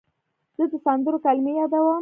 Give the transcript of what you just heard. زه د سندرو کلمې یادوم.